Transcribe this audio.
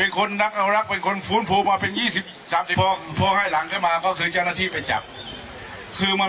กรมทรัพยากรดันตะเลคือบางครั้งบางครั้งมันจะเป็น